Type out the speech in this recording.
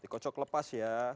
dikocok lepas ya